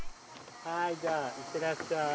はいじゃあ行ってらっしゃい。